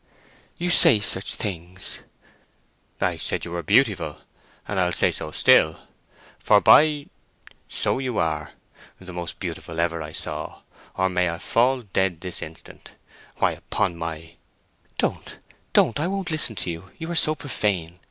"You say such things." "I said you were beautiful, and I'll say so still; for, by G—— so you are! The most beautiful ever I saw, or may I fall dead this instant! Why, upon my ——" "Don't—don't! I won't listen to you—you are so profane!"